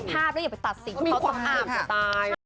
เห็นภาพแล้วอย่าไปตัดสิทธิ์เขาตกอาบค่ะ